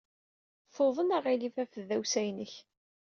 Tuḍen aɣilif ɣef tdawsa-inek.